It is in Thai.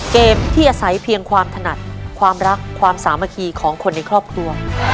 เกมที่อาศัยเพียงความถนัดความรักความสามัคคีของคนในครอบครัว